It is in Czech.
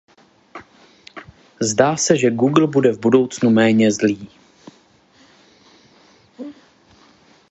Zdá se, že Google bude v budoucnu méně zlý.